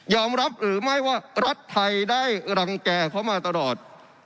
รับหรือไม่ว่ารัฐไทยได้รังแก่เขามาตลอด